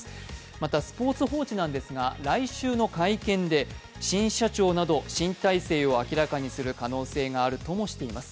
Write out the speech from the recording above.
また、「スポーツ報知」ですが、来週の会見で新体制を明らかにする可能性があるともしています。